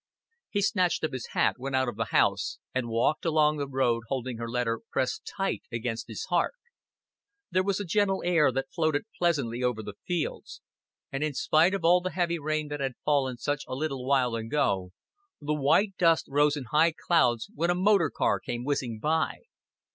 He snatched up his hat, went out of the house, and walked along the road holding her letter pressed tight against his heart. There was a gentle air that floated pleasantly over the fields, and in spite of all the heavy rain that had fallen such a little while ago, the white dust rose in high clouds when a motor car came whizzing by.